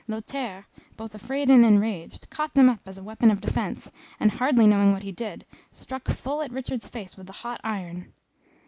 Lothaire, both afraid and enraged, caught them up as a weapon of defence, and, hardly knowing what he did, struck full at Richard's face with the hot iron.